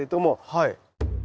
はい。